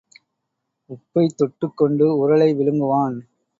உப்பைத் தொட்டுக் கொண்டு உரலை விழுங்குவான்.